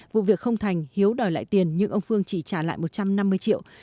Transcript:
vụ việc không thành hiếu đòi lại tiền nhưng ông phương chỉ trả lại một trăm năm mươi triệu